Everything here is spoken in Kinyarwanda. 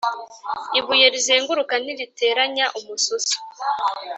ibuye rizunguruka ntiriteranya umususu